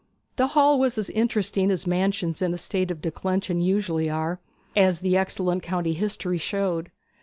The hall was as interesting as mansions in a state of declension usually are, as the excellent county history showed.